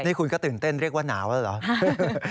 นี่คุณก็ตื่นเต้นเรียกว่าหนาวแล้วเหรอ